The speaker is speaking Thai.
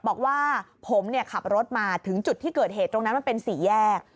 บอกว่าผมขับรถมาถึงจุดที่เกิดเหตุตรงนั้นมันเป็นสี่แยก